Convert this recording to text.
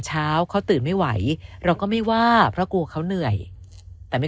เช้าเขาตื่นไม่ไหวเราก็ไม่ว่าเพราะกลัวเขาเหนื่อยแต่ไม่